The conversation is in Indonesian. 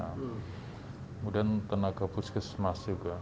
kemudian tenaga puskesmas juga